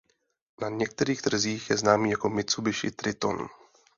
Na některých trzích je známý jako Mitsubishi Triton.